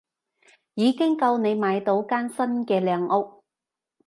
已經夠你買到間新嘅靚屋